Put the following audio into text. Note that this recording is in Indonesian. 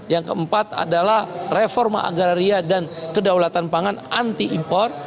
yang keempat adalah reforma agraria dan kedaulatan pangan anti impor